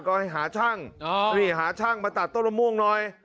ก็ให้หาช่างนี่หาช่างมาตัดต้นมะม่วงหน่อย